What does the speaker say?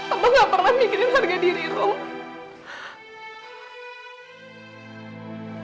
abah gak pernah mikirin harga diri rum